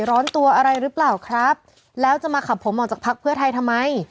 ร้อนตัวอะไรหรือเปล่าครับแล้วจะมาขับผมออกจากพักเพื่อไทยทำไม